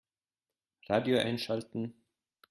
Radio einschalten.